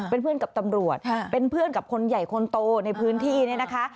เป็นเพื่อนกับตำรวจเป็นเพื่อนกับคนใหญ่คนโตในพื้นที่เนี่ยนะคะ